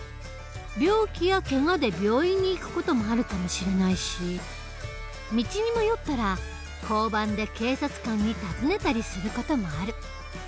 病気やけがで病院に行く事もあるかもしれないし道に迷ったら交番で警察官に尋ねたりする事もある。